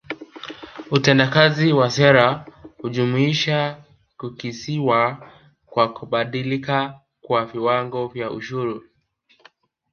Utendakazi wa sera hujumuisha kukisiwa kwa kubadilika kwa viwango vya ushuru